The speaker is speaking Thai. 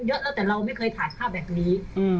เยอะแล้วแต่เราไม่เคยถ่ายภาพแบบนี้